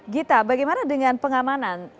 gita bagaimana dengan pengamanan